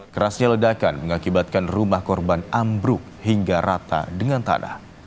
kerasnya ledakan mengakibatkan rumah korban ambruk hingga rata dengan tanah